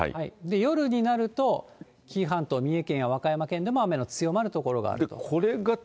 夜になると、紀伊半島、三重県や和歌山県でも雨の強まる所があると。